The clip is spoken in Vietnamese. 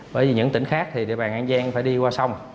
bởi vì những tỉnh khác thì địa bàn an giang phải đi qua sông